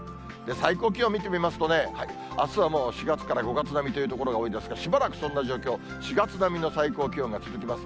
最高気温見てみますとね、あすはもう４月から５月並みという所が多いですが、しばらくそんな状況、４月並みの最高気温が続きます。